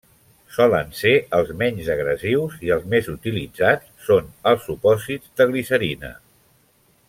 Solen ser els menys agressius i els més utilitzats són els supositoris de glicerina.